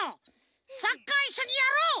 サッカーいっしょにやろう！